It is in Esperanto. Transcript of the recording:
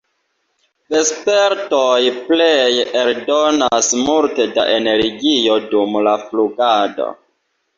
Vespertoj pleje eldonas multe da energio dum la flugado.